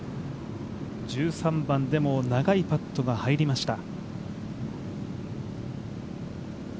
１３番でも長いパットが入りました。